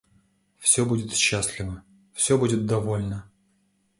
Все будет счастливо, все будет довольно.